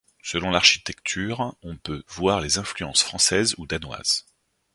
Selon l'architecture, on peut voir les influences françaises ou danoises.